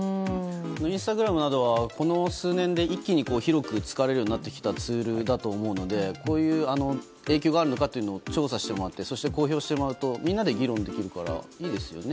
インスタグラムなどはこの数年で一気に広く使われるようになってきたツールだと思うのでこういう影響があるのかというのを調査してもらってそして公表してもらうとみんなで議論できるからいいですよね。